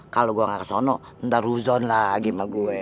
kalau gue nggak ke sana ntar huzon lagi sama gue